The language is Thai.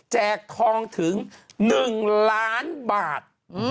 ทองถึง๑ล้านบาท